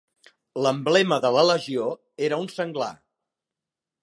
L'emblema de la legió era un senglar.